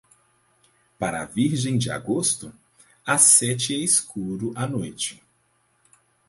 Para a Virgem de agosto, às sete é escuro à noite.